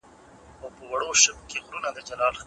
د شاعرانو د زېږدو په نېټه کې کله کله شک وي.